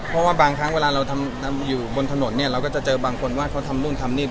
เพราะว่าบางครั้งเวลาเราทำอยู่บนถนนเนี่ยเราก็จะเจอบางคนว่าเขาทำนู่นทำนี่